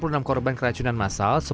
dari enam puluh enam korban keracunan masal